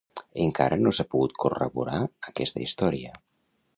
Encara no s'ha pogut corroborar aquesta història.